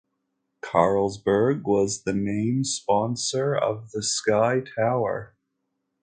Carlsberg was the name sponsor of the Sky Tower.